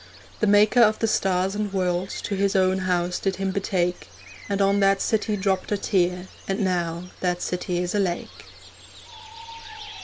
The maker of the stars and worlds To His own house did Him betake, And on that city dropped a tear, And now that city is a lake.